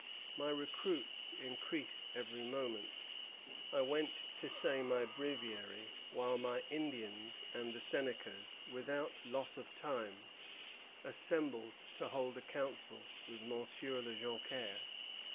My recruits increased every moment. I went to say my breviary while my Indians and the Senecas, without loss of time, assembled to hold a council with Monsieur de Joncaire."